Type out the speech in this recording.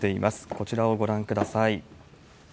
こちらをご覧ください。